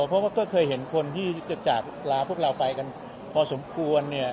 เพราะว่าก็เคยเห็นคนที่จะจากลาพวกเราไปกันพอสมควรเนี่ย